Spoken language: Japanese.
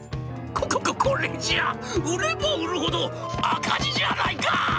「こここれじゃ売れば売るほど赤字じゃないか！」。